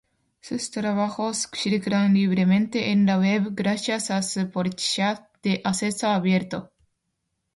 Sus trabajos circulan libremente en la web gracias a su política de acceso abierto.